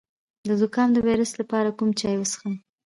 د زکام د ویروس لپاره کوم چای وڅښم؟